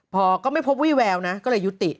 พอก็ไม่พบวี่แววนะก็เลยยุติ